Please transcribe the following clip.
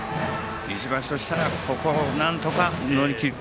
石橋としたらここをなんとか乗り切る。